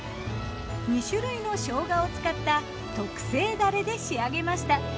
２種類の生姜を使った特製ダレで仕上げました。